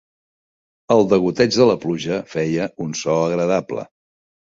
El degoteig de la pluja feia un so agradable.